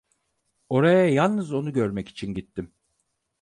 Oraya yalnız onu görmek için gittim.